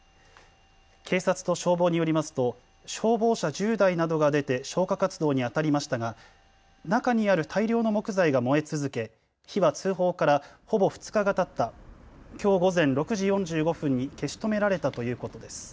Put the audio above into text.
警察と消防によりますと消防車１０台などが出て消火活動にあたりましたが中にある大量の木材が燃え続け火は通報からほぼ２日がたったきょう午前６時４５分に消し止められたということです。